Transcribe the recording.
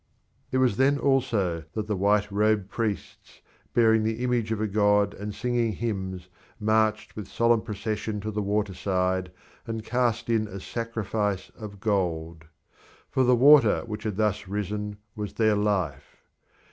It was then also that the white robed priests, bearing the image of a god and singing hymns, marched with solemn procession to the waterside, and cast in a sacrifice of gold. For the water which had thus risen was their life.